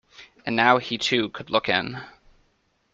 And now he too could look in.